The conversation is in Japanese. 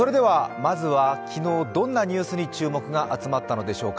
まずは昨日どんなニュースに注目が集まったんでしょうか。